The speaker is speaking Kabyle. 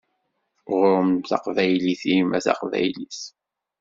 Ɣur-m taqbaylit-im a taqbaylit!